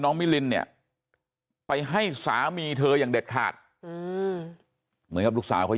มิลินเนี่ยไปให้สามีเธออย่างเด็ดขาดเหมือนกับลูกสาวเขา